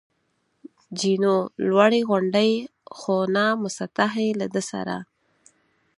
جینو: لوړې غونډۍ، خو نه مسطحې، له ده سره.